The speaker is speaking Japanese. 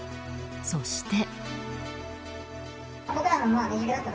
そして。